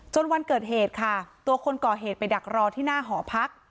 วันเกิดเหตุค่ะตัวคนก่อเหตุไปดักรอที่หน้าหอพัก